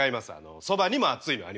そばにも熱いのありますからね。